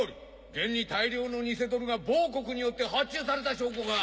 現に大量の偽ドルが某国によって発注された証拠がある。